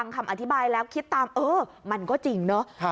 คำอธิบายแล้วคิดตามเออมันก็จริงเนาะ